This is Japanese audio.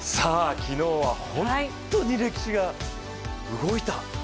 昨日は本当に歴史が動いた。